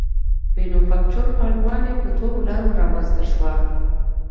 مینوفکچور پانګوالي په دوو لارو رامنځته شوه